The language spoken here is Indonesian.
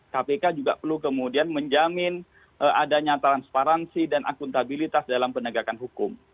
kpk juga perlu kemudian menjamin adanya transparansi dan akuntabilitas dalam penegakan hukum